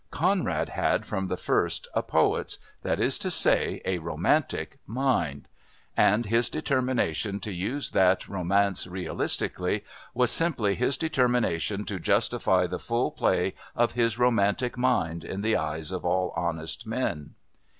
Conrad had, from the first, a poet's that is to say, a romantic mind, and his determination to use that romance realistically was simply his determination to justify the full play of his romantic mind in the eyes of all honest men.